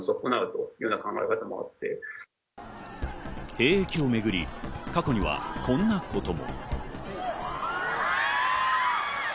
兵役をめぐり過去にはこんなことも。